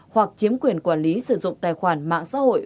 hoặc chiếm quyền quản lý sử dụng tài khoản mạng xã hội